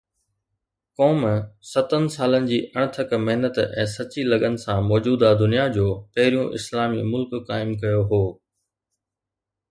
قوم ستن سالن جي اڻٿڪ محنت ۽ سچي لگن سان موجوده دنيا جو پهريون اسلامي ملڪ قائم ڪيو هو